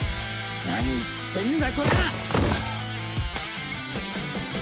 何言ってんだコラ！